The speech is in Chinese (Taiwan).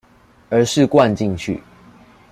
而是灌進去